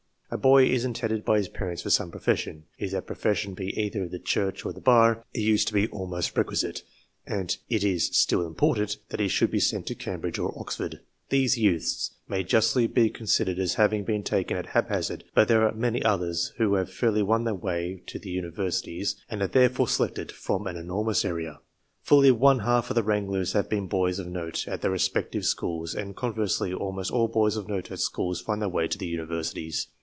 A boy is intended by his parents for some profession ; if that profession be either the Church or the Bar, it used to be almost requisite, and it is still important, that he should be sent to Cambridge or Oxford. These youths may justly be considered as ACCORDING TO THEIR NATURAL GIFTS 15 having been taken at hap hazard. But there are many others who have fairly won their way to the Universities, and are therefore selected from an enormous area. Fully one half of the wranglers have been boys of note at their respective schools, and, conversely, almost all boys of note at schools find their way to the Universities.